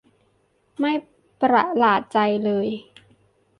ไม่ประลาดใจเลย